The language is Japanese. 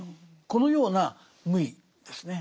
このような無為ですね。